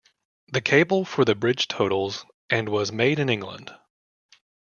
The cable for the bridge totals and was made in England.